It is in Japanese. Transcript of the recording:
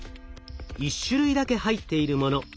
１種類だけ入っているもの。